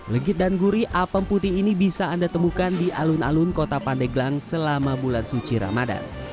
legit dan gurih apem putih ini bisa anda temukan di alun alun kota pandeglang selama bulan suci ramadan